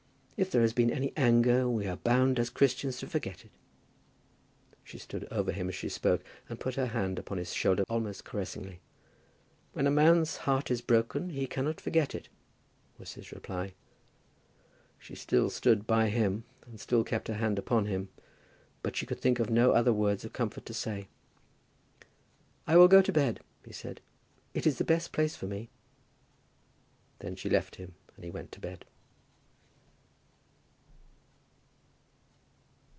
If there has been any anger we are bound as Christians to forget it." She stood over him as she spoke, and put her hand upon his shoulder almost caressingly. "When a man's heart is broken, he cannot forget it," was his reply. She still stood by him, and still kept her hand upon him; but she could think of no other words of comfort to say. "I will go to bed," he said. "It is the best place for me." Then she left him, and he went to bed.